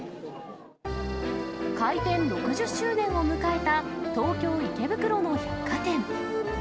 開店６０周年を迎えた東京・池袋の百貨店。